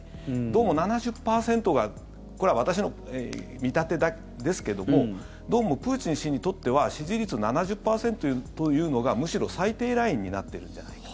どうも７０％がこれは私の見立てですけれどもどうもプーチン氏にとっては支持率７０％というのがむしろ最低ラインになっているんじゃないか。